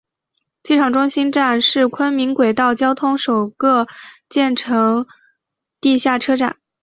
机场中心站是昆明轨道交通首个建成地下车站。